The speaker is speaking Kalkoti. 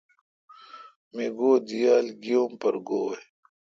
می گو دییال گییام پرگوئ۔